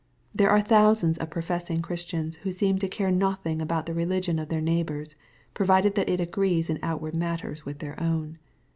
There are thousands of professing Christians, who seem to care nothing about the religion of their neighbors, provided that it agrees in outward matters with their own.